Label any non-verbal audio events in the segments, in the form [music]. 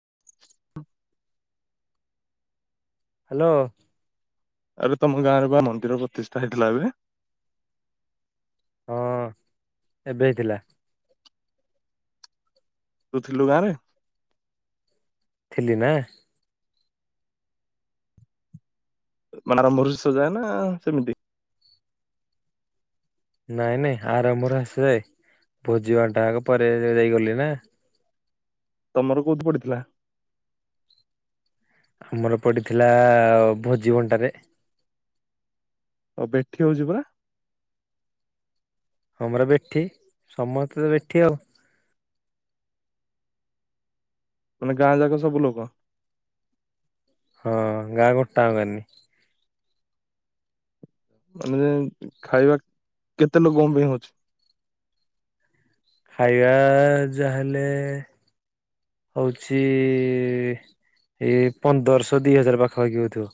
[unintelligible] Hello! ଆବେ ତମ ଗାଁରେ ବା ମନ୍ଦିର ପ୍ରତିଷ୍ଠା ହେଇଥିଲା ଏବେ। ହଁ, ଏବେ ହେଇଥିଲା। ତୁ ଥିଲୁ ଗାଁ ରେ? ଥିଲି ନା। ମାନେ ଆରମ୍ଭ ରୁ ଶେଷ ଯାଏ ନା ସେମିତି। ନାଇଁ ନାଇଁ ଆରମ୍ଭରୁ ଆସିଯାଏ ଭୋଜି ବଣ୍ଟାଟା ଆଗ ପରେ ଯାଇଗଲି ନା। ତମର କୋଉଠି ପଡିଥିଲା? ଆମର ପଡିଥିଲା ଭୋଜି ବଣ୍ଟାରେ। ଅବେ ଦେଖିବାକୁ ଯିବୁ ନା। ଆମର ବେଠି ସମସ୍ତେ ତ ବେଠି ଆଉ। ମାନେ ଗାଁ ଯାକ ସବୁ ଲୋକ? ହଁ ଗାଁ ଗୋଟା ଙ୍କ ଏଇନା। ମାନେ ଯେନ୍ତି ଖାଇବା କେତେ ଲୋକଙ୍କ ପାଇଁ ହଉଛି? ଖାଇବା ଯାହାଲେ ହଉଛି ଏଇ ପନ୍ଦରଶହ ଦି ହଜାର ପାଖାପାଖି ହଉଥିବ।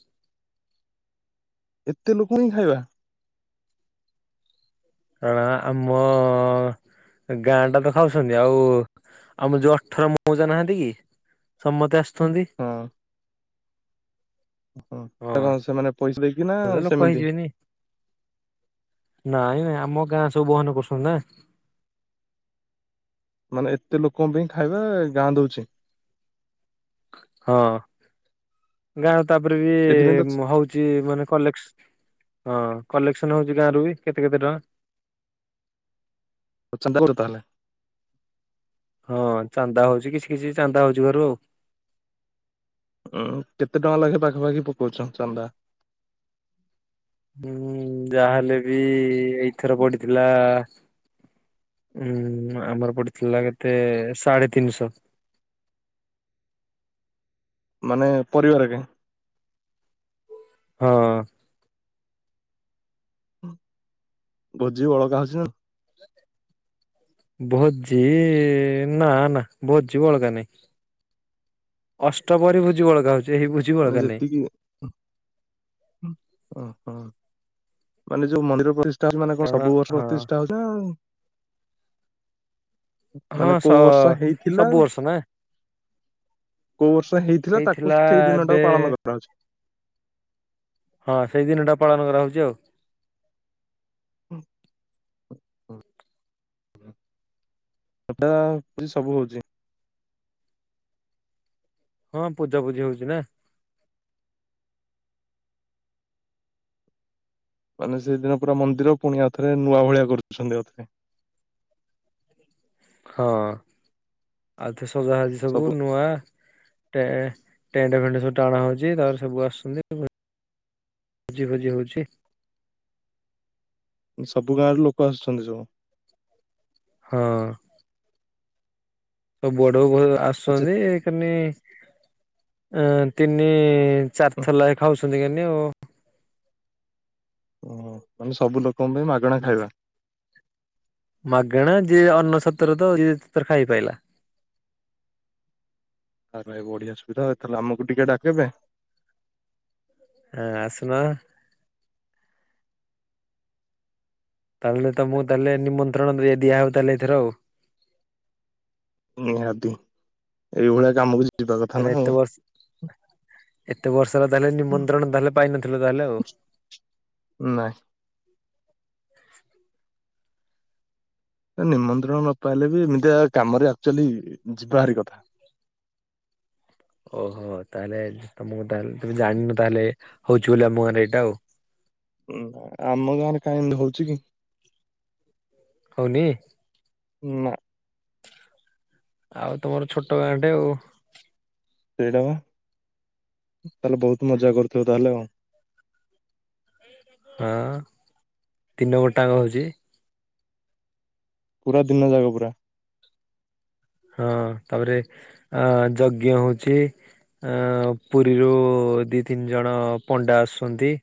ଏତେ ଲୋକ ଙ୍କୁ ଖାଇବା ଆ ଆମ ଗାଁ ଟା ତ ଖାଉଛନ୍ତି ଆଉ ଆମର ଯୋଉ ଅଠର ମଉଜା ନାହାନ୍ତି କି? ସମତେ ହଁ ଆସୁଛନ୍ତି। ହଁ ତା କଣ ସେମାନେ ପଇସା ଦେଇକି ନା ମତେ ଲୋକ ସେମିତି? ହେଇଯିବେନି ନାଇଁ ନାଇଁ ଆମ ଗାଁ ସବୁ ବହନ କରୁସଛନ୍ତି ନା। ମାନେ ଏତେ ଲୋକଙ୍କ ପାଇଁ ଖାଇବା ଗାଁ ଦଉଛି? ହଁ ଗାଁ ତାପରେ ବି ଏଥିପାଇଁ ତ ହଉଛି ମାନେ କଲେକ୍ସ ହଁ କଲେକ୍ସନ ହଉଛି ଗାଁ ରରୁ ବି କେତେ କେତେ ଟଙ୍କା। ଆଉ ଚାନ୍ଦା ତୋଳାହେଲା। ହଁ ଚାନ୍ଦା ହଉଛି କିଛି କିଛି ଚାନ୍ଦା ହଉଛି ଘରୁ ଆଉ। ଉଁ କେତେ ଟଙ୍କା ଲାଗେ ପାଖାପାଖି ପକଉଛ ଚାନ୍ଦା? ହୁଁ ଯାହାହେଲେ ବି ଏଇଥର ପଡିଥିଲା ଉୁଁ ଆମର ପଡିଥିଲା କେତେ ସାଢେ ତିନିଶହ। ମାନେ ପରିବାର ଏକା। ହଁ। ଭୋଜି ବଳକା ହଉଛି ନା। ଭୋଜି ନା ନା ଭୋଜି ବଳଗା ନାଇଁ। ଅଷ୍ଟ ପରି ଭୋଜି ବଳଗା ହଉଛି ଭୁଜି ଆମେ ଯେତିକି ଓ ହଁ ମାନେ ଯୋଉ ମନ୍ଦିର ଯାଇ ତା ମାନେ କଣ କାରଣ ସବୁ ବର୍ଷ ହଁ ପ୍ରତିଷ୍ଠା ହଉଛି ନା ନାହିଁ। ହଁ ମାନେ ସ କୋଉ ବର୍ଷ ହେଇଥିଲା? ସବୁ ବର୍ଷ ନା କୋଉ ବର୍ଷ ହେଇଥିଲା ତାକୁ ସେଇ ଦିନ ଟାକୁ ପାଳନ କରାହାଉଚଛି। ହଁ ସେଇ ଦିନଟା ପାଳନ କରାହଉଚି ଆଉ। ହଁ ହ ହୁଁ। ହେଠାରେ ଆଉ କିଛି ସବୁ ହଉଛି। ହଁ ପୂଜାପୁଜି ହଉଛି ନା? ମାନେ ସେଇଦିନ ପୁରା ମନ୍ଦିର ପୁଣିଆ ଥରେ ନୂଆ ଭଳିଆ କରୁଛନ୍ତି ଆଉଥରେ। ହଁ ଆଉଥରେ ସଯା ସବୁ ନୂଆ ଟେଣ୍ଡେ ଫେଣ୍ଟେ ସବୁ ଟାଣ ହଉଛି ତାପରେ ସବୁ ଆସୁଛନ୍ତି। ଭୋଜି ଫୋଜି ହଉଛି। ସବୁ ଗାଁ ରୁ ଲୋକ ଆସୁଛନ୍ତି ସବୁ? ହଁ। ସବୁ ଆଡୁ ଆଚ୍ଛା ଆସୁନ୍ତି ଏଖିନି ତିନି ଚାରିଥର ଲେଖା ଖାଉଛନ୍ତି କେନି ଆଉ। ଓହ ମାନେ ସବୁ ଲୋକଙ୍କ ପାଇଁ ମାଗଣା ଖାଇବା? ମାଗେଣା ଯିଏ ଅନ୍ନ ଛତ୍ରରତ ଯିଏଯେତେ ଥର ଖାଇ ପାଇଲା। ଆାରେ ଭାଇ ବଢିଆ ସୁବିଧା ତାହେ ଆମକୁି ଟିକେ ଡାକବେ? ଆଁ ଆସୁନ? ତାହେଲେ ତ ମୁଁ ତାହେଲେ ନିମନ୍ତ୍ରଣ ଦ ଦିଆ ହଉ ତାହେଲେ ଏଥର ଆଉ। ନିହାତି ଏଇଭଳିଆ କାମ କି ତାଲେ ଏତେ ବର୍ଷ ଏତେ ବର୍ଷର ତାହେଲେ ନିମନ୍ତ୍ରଣ ତାହେଲେ ପାଇନଥିଲ ତାହେଲେ ଆଉ। ନା। ଏ ନିମନ୍ତ୍ରଣ ନ ପାଇଲେ ବି ଏମିତିଆ କାମରେ ଆକ୍ଚୁଆଲି ଯିବା ହାରି କଥା। ଓହୋ ତାହେଲେ ତମକୁ ତାହେଲେ ତମେ ଜାଣିନ ତାହେଲେ ହଉଛି ବୋଲି ଆମ ଗାଁରେ ଏଇଟା ଆଉ। ଆମ ଗାଁରେ କାଇଁ ଏମିତି ହଉଛି କି? ହଉନି? ନା। ଆଉ ତମର ଛୋଟ ଗାଁ ଟେ ଆଉ। ସେଇଟା ବା ତାହେଲେ ବହୁତ ମଜା କରୁଥିବ ତାହେଲେ ଆଉ। ଆଁ ତିନ ନମ୍ବରଟା କ ହଉଛି? ପୁରା ଦିନ ଜାକ ପୁରା। ହଁ ତାପରେ ଅ ଯଜ୍ଞ ହଉଛି। ଆଁ ପୁରୀରୁ ଦି ତିନି ଜଣ ପଣ୍ଡା ଆସୁଛନ୍ତି।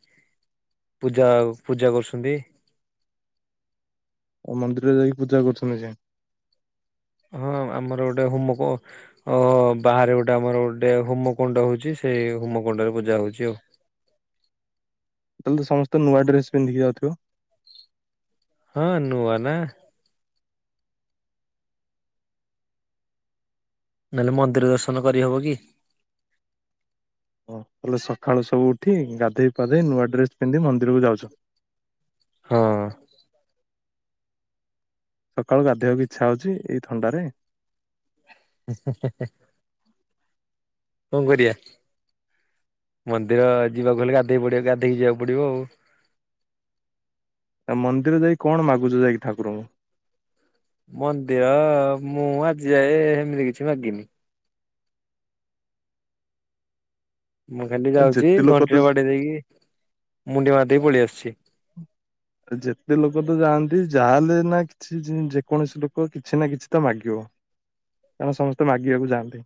ପୂଜା ଆଉ ପୂଜା କରୁଛନ୍ତି। ଓ ମନ୍ଦିରରେ ଯାଇକି ପୂଜା କରୁଛନ୍ତି ଅଇଁଛା। ହଁ ଆମର ଗୋଟେ ହୁମକ ଓ ବାହାରେ ଗୋଟେ ଆମର ଗୋଟେ ହୋମକୁଣ୍ଡ ହଉଛି ସେଇ ହୋମକୁଣ୍ଡ ରେ ପୂଜା ହଉଛି ଆଉ। ତାହେଲେ ସମସ୍ତେ ନୂଆଡ୍ରେସ ପିନ୍ଧିକି ଯାଉଥିବ? ହଁ ନୂଆ ନା। ନହେଲେ ମନ୍ଦିର ଦର୍ଶନ କରିହବ କି? ହ ତାହଲେ ସକାଳୁ ସବୁ ଉଠି ଗାଧୋଇ ପାଧେଇ ନୂଆ ଡ୍ରେସ୍ ପିନ୍ଧି ମନ୍ଦିରକୁ ଯାଉଛ। ହଁ। ସକାଳୁ ଗାଧୋଇବାକୁ ଇଛା ହଉଛି ଏଇ ଥଣ୍ଡାରେ? ହେଁ ହେଁ ହେଁ କଣ କରିଆ? ମନ୍ଦିର ଯିବାକୁ ହେଲେ ଗାଧୋଇ ପଡିବ ଗାଧେଇକି ଯିବାକୁ ପଡିବ ଆଉ। ଆ ମନ୍ଦିର ଯାଇ କଣ ମାଗୁଛ ଯାଇକି ଠାକୁରଙ୍କୁ? ମନ୍ଦିର ମୁଁ ଆଜି ଯାଏ ହେମିତି କିଛି ମାଗିନି। ମୁଁ ଖାଲି ଆ ଯାଉଛି ଯେତେ ଲୋକ ତ ଘଣ୍ଟିଟା ବାଡେଇ ଦେଇକି ମୁଣ୍ଡିଆ ମାରି ଦେଇକି ପଳେଇ ଆସୁଛି। ଯେତେ ଲୋକ ତ ଯାଆନ୍ତି ଯାହାହେଲେ ନା କିଛି ଯେକୌଣସି ଲୋକ କିଛି ନା କିଛି ତ ମାଗିବ କାରଣ ସମସ୍ତେ ମାଗିବାକୁ ଯାଆନ୍ତି।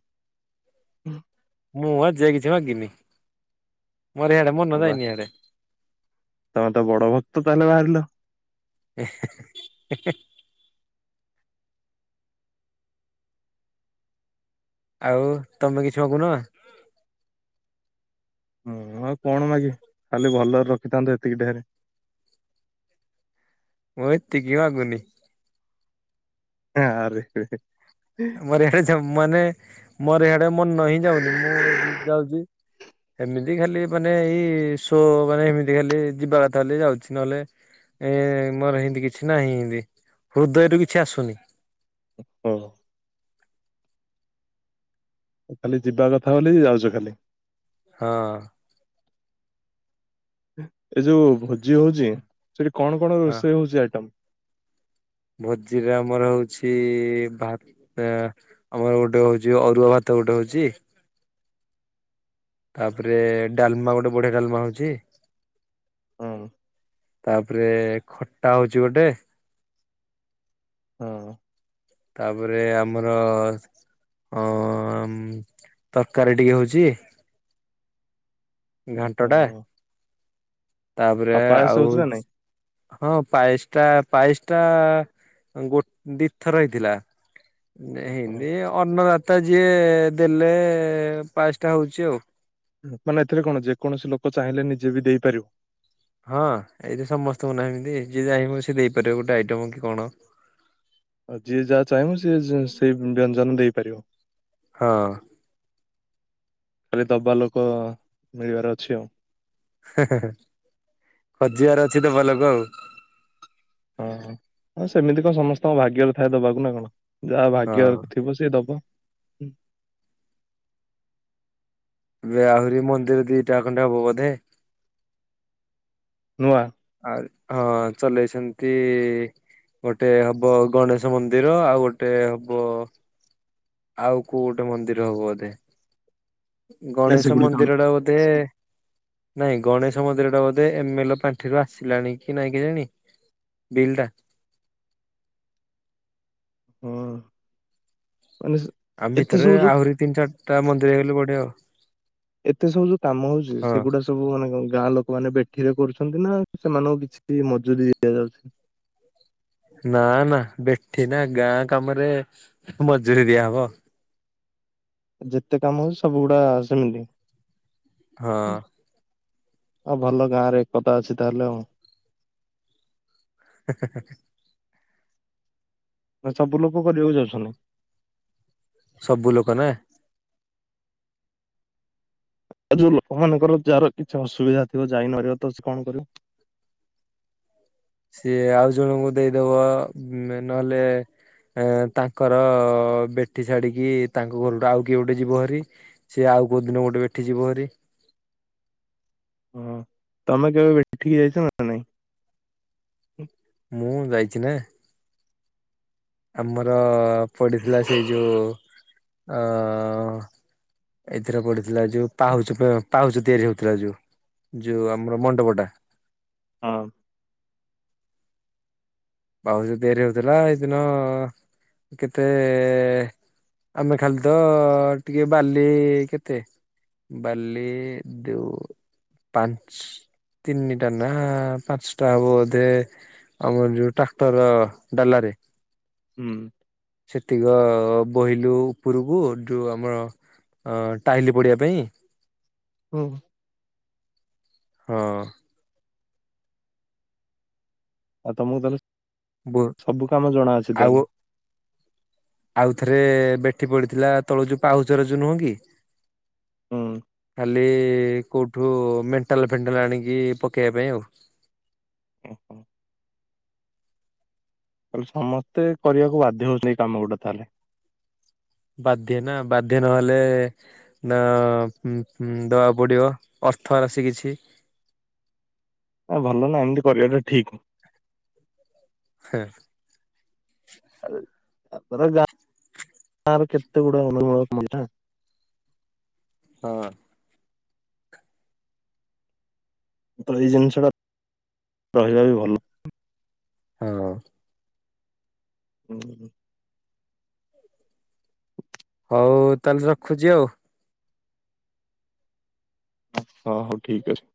ମୁଁ ଆଜି ଯାଏ କିଛି ମାଗିନି ମୋର ହିଆଡେ ହଁ ମନ ବା ଯାଇନି ଆଡେ। ତମେ ତ ବଡ ଭକ୍ତ ତାହେଲେ ବାହାରିଲ? ଏ ହେଁ ହେ ହେ। ଆଉ ତମେ କିଛି ମାଗୁନ? ମୁଁ ଆଉ କଣ ମାଗିବି, ଖାଲି ଭଲରେ ରଖିଥାନ୍ତୁ ଏତିକି ଢେରେ। ମୁଁ ଏତିକି ମାଗୁନି। ଆରେ ହେଁ ହେ। ମୋରି ଆଡେ ଯୋଉ ମାନେ ମୋରିଆଡେ ମୋର ହିିଁ ଯାଉନି। ମୁଁ ଯାଉଛି ଏମିତି ଖାଲି ମାନେ ଏଇ ଶୋ ମାନେ ଏମିତି ଖାଲି ଯିବା କଥା ହେଲେ ଯାଉଛି। ନହେଲେ ଏ ମୋର ସେମତି କିଛି ନାହିଁ ଏମତି ହୃଦୟରୁୁ କିଛି ଆସୁନି। ଓହ। ଖାଲି ଯିବା କଥା ବୋଲି ଯାଉଛ ଖାଲି। ହଁ। ଏ ଯୋଉ ଭୋଜି ହଉଛି ସେଠି କଣ କଣ ରୋଷେଇ ହଉଛି ଆଇଟମ? ଭୋଜିରେ ଆମର ହଉଛି ଭାତ ଆମର ଗୋଟେ ହଉଛି ଅରୁଆ ଭାତ ଗୋଟେ ହଉଛି। ତାପରେ ଡାଲମା ଗୋଟେ ବଢିଆ ଡାଲମା ହଉଛି। ହଁ। ତାପରେ ଖଟା ହଉଛି ଗୋଟେ। ହଁ ତାପରେ ଆମର ଅ ତରକାରୀ ଟିକେ ହଉଛି। ଘାଣ୍ଟ ଓହୋ ଟା ତାପରେ ପାୟସ ଆଉ ହଉଛି ନା ନାଇଁ ହଁ ପାଏଶ ଟା ପାଇଏଶ ଟା ଗୋ ଦୀଥର ହେଇଥିଲା। ହଁ ହେଇନି ଅନ୍ନଦାତା ଯିଏ ଦେଲେ ପାଶଟା ହଉଛି। ମାନେ ଏଥିରେ କଣ ଯେକୌଣସି ଲୋକ ଚାହିଁଲେ ନିଜେ ବି ଦେଇପାରିବ। ହଁ ଏଇଠି ସମସ୍ତଙ୍କୁ ନାଏମିତି ଯିଏ ଚାହିଁବ ସିଏ ଦେଇପାରିବ ଗୋଟେ ଆଇଟମ କି କଣ। ଆଉ ଯିଏ ଯାହା ଚାହିଁବ ସିଏ ସେଇ ବ୍ୟଞ୍ଜନ ଦେଇପାରିବ। ହଁ। ଖାଲି ଦବା ଲୋକ ମିଳିବାର ଅଛି। ହେ ହେ ହେ ଖୋଜିବାର ଅଛି ତ ଭଲୋକ ହଁ ହଁ ସେମିତି କଣ ସମସ୍ତଙ୍କ ଭାଗ୍ୟର ଥାଏ ଦେବାକୁ ନା କଣ ଯାହା ଭାଗ୍ୟ ହଁ। ଥିବ ସିଏ ଦବ। ଏବେ ଆହୁରି ମନ୍ଦିର ଦିଟା ଖଣ୍ଡେ ହବ ବୋଧେ। ନୂଆ? ଆ ହଁ ଚଲେଇଛନ୍ତି। ଗୋଟେ ହବ ଗଣେଶ ମନ୍ଦିର ଆଉ ଗୋଟେ ହବ ଆଉ କୋଉ ଗୋଟେ ମନ୍ଦିର ହବ ବୋଧେ। ନା ଗଣେଶ ସେଗୁଡିକ ମନ୍ଦିରଟା ବୋଧେ ନାଇଁ ଗଣେଶ ମନ୍ଦିର ଟା ବୋଧେ ଏମଏଲ ପାଣ୍ଠିରୁ ଆସିଲାଣି କି ନାଇଁ କେୟାଣୀ? ବିଲଟା ହଁ ମାନ ଆ ଭିତରେ ଆହୁରି ତିନି ଚାରିଟା ମନ୍ଦିର ହେଇଗଲେ ବଢିଆ ଆଉ। ଏତେ ସବୁ ଯୋଉ କାମ ହଉଛି ହଁ ସେଗୁଡା ସବୁ ମାନେ ଗାଁ ଲୋକମାନେ ବେଠିରେ କରୁଛନ୍ତି ନା ସେମାନଙ୍କୁ କିଛି ମଜୁରି ଦିଆଯାଉଛି? ନା ନା ବେଠି ନା ଗାଁ କାମରେ ମଜୁରି ଦିଆହବ। ଯେତେ କାମ ହଉଛି ସବୁଗୁଡା ସେମିତି? ହଁ। ହଉ ଭଲ ଗାଁ ରେ ଏକତା ଅଛି ତାହେଲେ ହଁ। ହ ହେ ହେ ନା ସବୁ ଲୋକ କରିବାକୁ ଯାଉଛନ୍ତି? ସବୁ ଲୋକ ନା। ଆଉ ଯୋଉ ଲୋକମାନଙ୍କର ଯାହାର କିଛି ଅସୁବିଧା ଥିବ ଯାଇନାରିବ ତ କଣ କରିବ? ସିଏ ଆଉ ଜଣଙ୍କୁ ଦେଇଦବ ନହେଲେ ଏ ତାଙ୍କର ବେଠି ଛାଡିକି ତାଙ୍କ ଘରଠୁ ଆଉ କିଏ ଗୋଟେ ଯିବ ହାରି। ସିଏ ଆଉ କୋଉଦିନ ଗୋଟେ ବେଠି ଯିବ ହେରି। ହଁ ତମେ କେବେ ବେଠିକି ଯାଇଛ ନା ନାଇଁ? ମୁଁ ଯାଇଛି ନା। ଆମର ପଡିଥିଲା ସେଇ ଯୋଉ ଅ ଏଥିରେ ପଡିଥିଲା ଯୋଉ ପାହୁଚ ପାହୁଚ ତିଆରି ହଉଥିଲା ଯୋଉ। ଯୋଉ ଆମର ମଣ୍ଡପଟା। ହଁ। ପାହୁଚ ତିଆରି ହଉଥିଲା ଏଇଦିନ କେତେ ଆମେ ଖାଲି ତ ଟିକେ ବାଲି କେତେ। ବାଲିଦଉ ପାଞ୍ଚ ତିନିଟା ନା ପାଞ୍ଚଟା ହବ ବୋଧେ ଆମର ଯଉ ଟ୍ରାକକ୍ଟର ଡାଲାରେ। ହୁଁ ସେତିକ ବୋହିଲୁ ଉପରକୁ ଯଉ ଆମର ଟାହିିଲ ପଡିବା ପାଇଁ। ହୁଁ। ହଁ। ଆଉ ତମକୁ ତାହେଲେ ବୋ ସବୁ କାମ ଜଣାଅଛି ତାହେଲେ। ଆଉ ଥରେ ବେଠି ପଡିଥିଲା ତଳୁ ଯୋଉ ପାହୁଚର ଯୋଉ ନୁହଁ କି? ହୁଁ। ଖାଲି କୋଉଠୁ ମେଣ୍ଟାଲ ଫେଣ୍ଟାଲ ଆଣିକି ପକେଇବା ପାଇଁ ଆଉ। ଓ ହୋ। କହଲେ ସମସ୍ତେ କରିବାକୁ ବାଧ୍ୟ ହଉଛନ୍ତି ଏଇ କାମ ଗୁଡା ତାହେଲେ। ବାଧ୍ୟ ନା। ବାଧ୍ୟ ନହେଲେ ନା ଉଁ ଉଁ ଦେବାକୁ ପଡ଼ିବ ଅର୍ଥ ରାଶି କିିଛି। ଆ ଭଲ ନା ଏମିତି କରିବାଟା ଠିକ। ହେଁ। [unintelligible] ହଁ। ତ ଏଇ ଜିନିଷ ଟା ରହିବା ବି ଭଲ। ହଁ। ହୁଁ। ହଉ ତାହେଲେ ରଖୁଛି ଆଉ। ହ ହଉ ଠିକ ଅଛି।